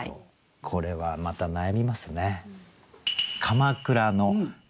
これはまた悩みますね。